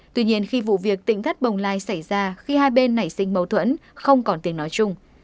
tuy nhiên khi vụ việc tỉnh thất bồng lai xảy ra khi hai bên nảy sinh mâu thuẫn không còn tiếng nói chung